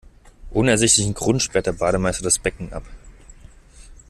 Ohne ersichtlichen Grund sperrt der Bademeister das Becken ab.